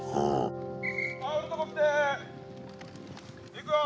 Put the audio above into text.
・いくよ！